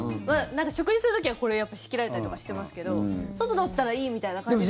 食事する時は、やっぱり仕切られたりとかしてますけど外だったらいいみたいな感じに。